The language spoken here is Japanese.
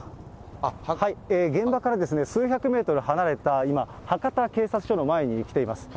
現場から数百メートル離れた、今、博多警察署の前に来ています。